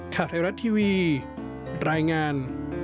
ข่าวไทยรัฐทีวีรายงาน